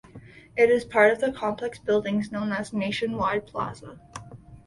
It is part of the complex of buildings known as Nationwide Plaza.